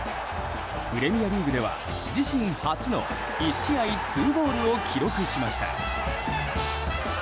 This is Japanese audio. プレミアリーグでは、自身初の１試合２ゴールを記録しました。